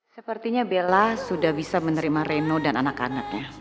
sepertinya bella sudah bisa menerima reno dan anak anaknya